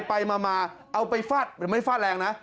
ไปมาเอาไปฟาดไม่ได้ฟาดแรงนะ